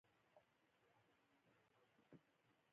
تالابونه د افغان ځوانانو لپاره ډېره په زړه پورې دي.